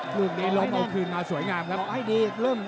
ลูกนี้ลองเอาคืนมาสวยงามครับ